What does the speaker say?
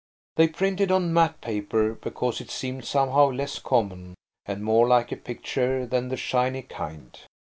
They printed on matt paper, because it seemed somehow less common, and more like a picture than the shiny kind.